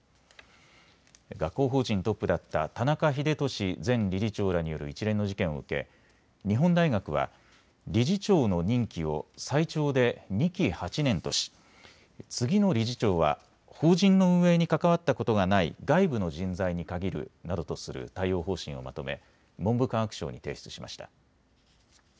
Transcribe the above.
学校法人トップだった田中英壽前理事長らによる一連の事件を受け日本大学は理事長の任期を最長で２期８年とし次の理事長は法人の運営に関わったことがない外部の人材に限るなどとする対応方針をまとめ文部科学省に提出しました。